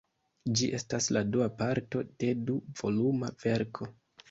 Ĝi estas la dua parto de du-voluma verko.